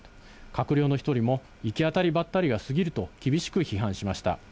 閣僚の一人も、行き当たりばったりがすぎると、厳しく批判しました。